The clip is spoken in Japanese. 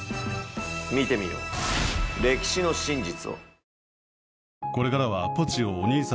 見てみよう歴史の真実を。